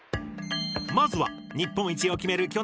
まずは日本一を決める